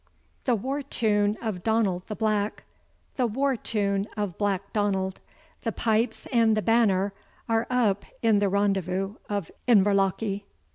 The war tune of Donald the Black, The war tune of Black Donald, The pipes and the banner Are up in the rendezvous of Inverlochy.